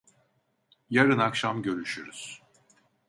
Yarın akşam görüşürüz.